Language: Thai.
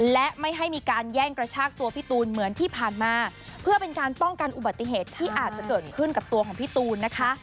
และไม่ให้มีการแย่งกระชากตัวพี่ตูนเหมือนที่ผ่านมาเพื่อเป็นการป้องกันอุบัติเหตุที่อาจจะเกิดขึ้นกับตัวของพี่ตูนนะคะ